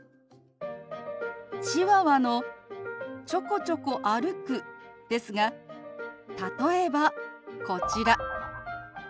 チワワの「ちょこちょこ歩く」ですが例えばこちら。